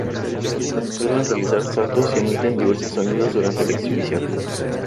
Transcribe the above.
Suelen realizar saltos y emiten diversos sonidos durante la exhibición.